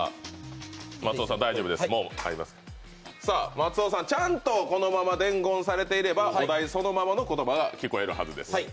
松尾さん、ちゃんとこのまま伝言されていれば、お題そのままの言葉が聞こえるはずです。